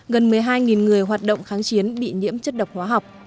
gần một mươi hai người hoạt động kháng chiến bị nhiễm chất độc hóa học